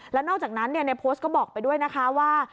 แล้วนอกจากนั้นในโพสต์ก็บอกไปด้วยนะคะว่า